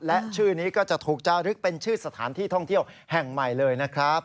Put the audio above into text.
และชื่อนี้ก็จะถูกจารึกเป็นชื่อสถานที่ท่องเที่ยวแห่งใหม่เลยนะครับ